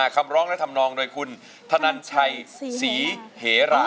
คำร้องและทำนองโดยคุณธนันชัยศรีเหระ